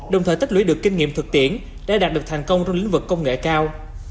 đồng thời tích lũy được kinh nghiệm thực tiễn để đạt được thành công trong lĩnh vực công nghệ cao